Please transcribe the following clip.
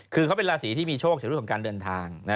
คือเขาเป็นราศรีที่มีโชคในธุรการเดินทาง